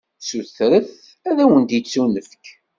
Sutret, ad wen-d-ittunefk.